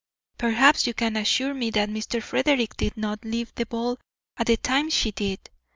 Perhaps you can assure me that Mr. Frederick did not leave the ball at the time she did.